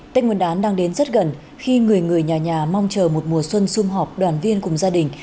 tết nguyên đán đang đến rất gần khi người người nhà nhà mong chờ một mùa xuân xung họp đoàn viên cùng gia đình